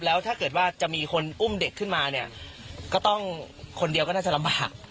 แล้วถ้าเกิดว่าจะมีคนอุ้มเด็กขึ้นมาเนี่ยก็ต้องคนเดียวก็น่าจะลำบาก